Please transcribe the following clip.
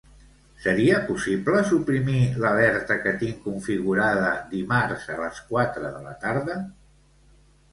Seria possible suprimir l'alerta que tinc configurada dimarts a les quatre de la tarda?